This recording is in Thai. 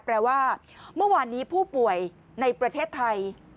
แปลว่าเมื่อวานนี้ผู้ป่วยในประเทศไทย